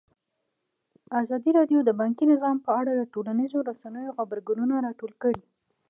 ازادي راډیو د بانکي نظام په اړه د ټولنیزو رسنیو غبرګونونه راټول کړي.